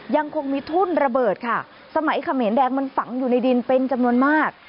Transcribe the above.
ยังคงมีทุ่นระเบิดค่ะสมัยเขมรแดงมันฝังอยู่ในดินเป็นจำนวนมาก